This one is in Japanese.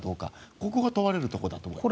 ここが問われるところだと思います。